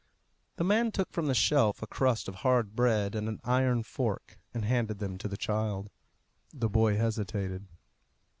The man took from the shelf a crust of hard bread and an iron fork, and handed them to the child. The boy hesitated.